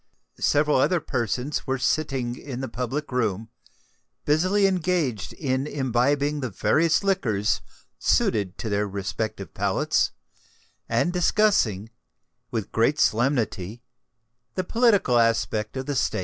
Several other persons were sitting in the public room, busily engaged in imbibing the various liquors suited to their respective palates, and discussing, with great solemnity, the political aspect of the State.